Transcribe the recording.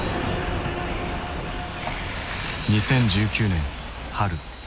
２０１９年春。